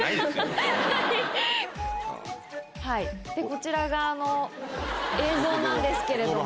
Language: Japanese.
こちらが映像なんですけれども。